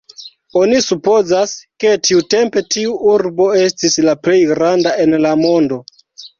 Oni supozas, ke tiutempe tiu urbo estis la plej granda en la mondo.